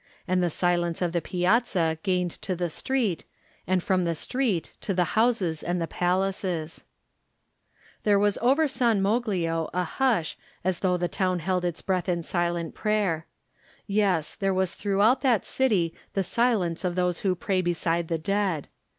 And the silence of the piazza gained to the street, and from the street to the houses and the palaces. 75 Digitized by Google THE NINTH MAN There was over San Moglio a hush as though the town held its breath in silent prayer. Yes, there was throughout that city the silence of those who pray beside the dead.